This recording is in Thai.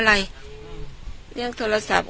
การเลี้ยงโทรศัพท์